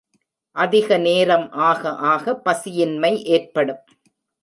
அதிக நேரம் ஆக ஆக, பசியின்மை ஏற்படும்.